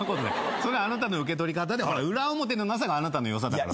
それあなたの受け取り方で裏表のなさがあなたのよさだから。